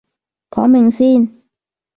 講明先